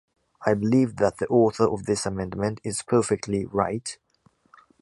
I believe that the author of this amendment is perfectly right.